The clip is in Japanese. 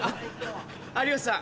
有吉さん